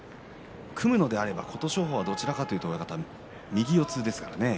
組むのであれば琴勝峰どちらかというと右四つですね。